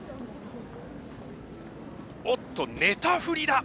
おっと寝たふりだ！